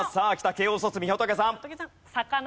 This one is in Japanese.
慶應卒みほとけさん。